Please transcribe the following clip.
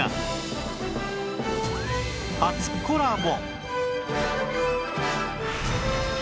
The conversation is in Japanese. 初コラボ！